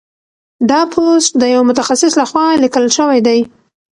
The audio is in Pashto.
دا پوسټ د یو متخصص لخوا لیکل شوی دی.